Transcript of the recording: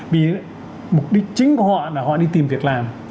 vì mục đích chính của họ là họ đi tìm việc làm